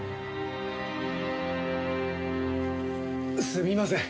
すみません。